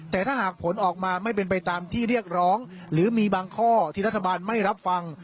แต่ถ้าหากผลออกมาไม่เป็นไปตามที่เรียกร้องหรือมีบางข้อที่รัฐบาลไม่รับฟัง